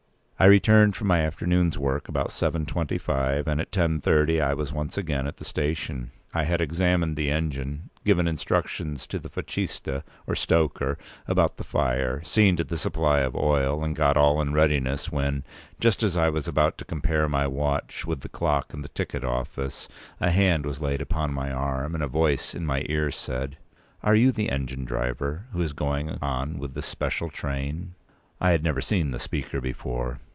I returned from my afternoon's work about 7.25, and at 10.30 I was once again at the station. I had examined the engine; given instructions to the Fochista, or stoker, about the fire; seen to the supply of oil; and got all in readiness, when, just as I was about to compare my watch with the clock in the ticket office, a hand was laid upon my arm, and a voice in my ear said: "Are you the engine driver who is going on with this special train?" I had never seen the speaker before.